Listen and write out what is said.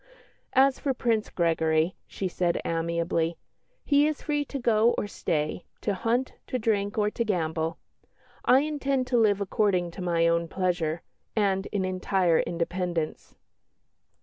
"As for Prince Gregory," she said amiably, "he is free to go or stay, to hunt, to drink, or to gamble. I intend to live according to my own pleasure, and in entire independence."